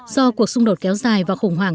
do cuộc xung đột kéo dài và khủng hoảng